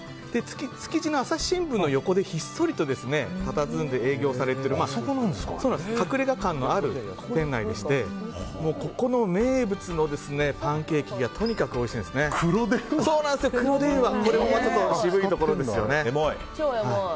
築地の朝日新聞の横でひっそりとたたずんで営業をされている隠れ家感のある店内でしてここの名物のパンケーキが黒電話。